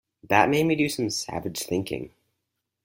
That made me do some savage thinking.